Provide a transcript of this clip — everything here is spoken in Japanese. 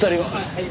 はい。